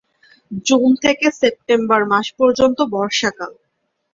June থেকে September মাস পর্যন্ত বর্ষাকাল।